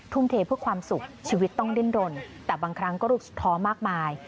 ทุ่มเทเพื่อความสุขชีวิตต้องดิ้นรนแต่บางครั้งก็ลูกท้อมากมาย